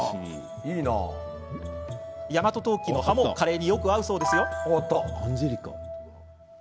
大和当帰の葉もカレーによく合うそうですよ。